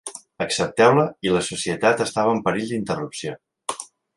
Accepteu-la, i la societat estava en perill d'interrupció.